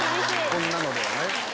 こんなのではね。